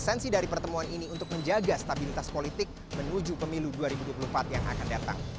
esensi dari pertemuan ini untuk menjaga stabilitas politik menuju pemilu dua ribu dua puluh empat yang akan datang